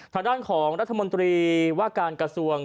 ทางด้านของรัฐมนตรีว่าการกระทรวง